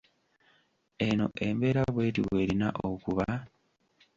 Eno embeera bw’eti bw’erina okuba?